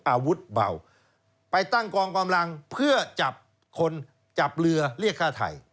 อาวุธเบาไปตั้งกองกำลังเพื่อจับคนจับเรือเรียกฆ่าไทย